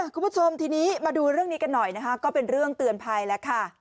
คุณผู้ชมทีนี้มาดูเรื่องนี้กันหน่อยนะคะก็เป็นเรื่องเตือนภัยแล้วค่ะ